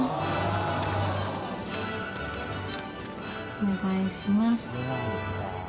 お願いします。